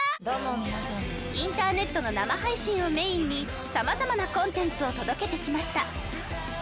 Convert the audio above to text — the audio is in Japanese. インターネットの生配信をメインにさまざまなコンテンツを届けてきました。